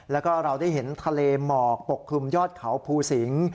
แล้วก็เราได้เห็นทะเลหมอกปกคลุมยอดเขาภูสิง